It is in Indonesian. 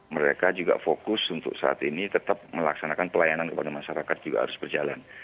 mereka juga fokus untuk saat ini tetap melaksanakan pelayanan kepada masyarakat juga harus berjalan